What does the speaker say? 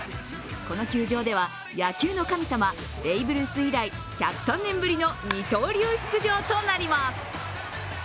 この球場では野球の神様ベーブ・ルース以来１０３年ぶりの二刀流出場となります。